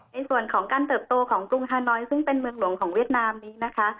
ในส่วนของการเติบโตของกรุงฮานอยซึ่งเป็นเมืองหลวงของเวียดนามนี้นะคะ